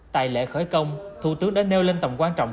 tại lễ khởi công thủ tướng đã nêu lên tầm quan trọng